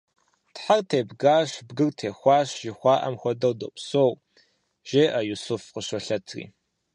Тхьэр тебгащ, бгыр теуащ, жыхуаӀэм хуэдэу допсэу, – жеӀэ Исуф къыщолъэтри.